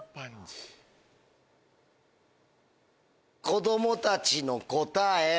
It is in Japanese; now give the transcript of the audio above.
子どもたちの答え。